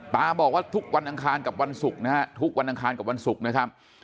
ตาบอกว่าทุกวันอังคารกับวันศุกร์นะฮะทุกวันอังคารกับวันศุกร์นะครับ